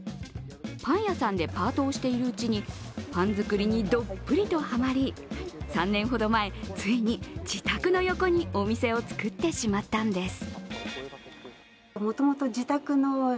パン屋さんでパートをしているうちにパン作りにどっぷりとハマり３年ほど前、ついに自宅の横にお店を作ってしまったんです。